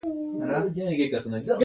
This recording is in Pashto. د استاد مهدي عربي نعتونو لږ وځنګولو.